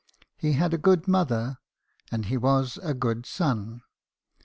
He had a good mother, and he was a good son.